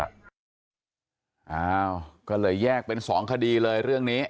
อ้าวก็เลยแยกเป็นสองคดีเลยเรื่องนี้